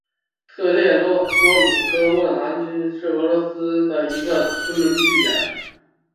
特列索鲁科沃农村居民点是俄罗斯联邦沃罗涅日州利斯基区所属的一个农村居民点。